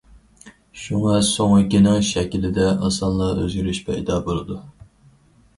شۇڭا سۆڭىكىنىڭ شەكلىدە ئاسانلا ئۆزگىرىش پەيدا بولىدۇ.